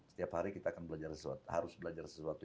setiap hari kita akan belajar sesuatu harus belajar sesuatu